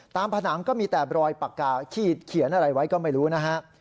ผนังก็มีแต่รอยปากกาขีดเขียนอะไรไว้ก็ไม่รู้นะฮะ